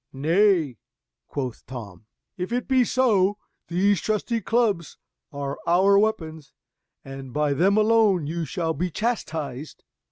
"Nay," quoth Tom, "if it be so, these trusty clubs are our weapons, and by them alone you shall be chastised."